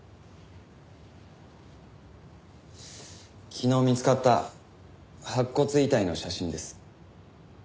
昨日見つかった白骨遺体の写真です。